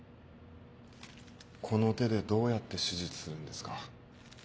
この手でどうやって手術するんですか？